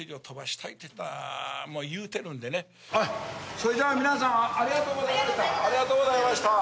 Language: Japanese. それじゃ皆さんありがとうございました。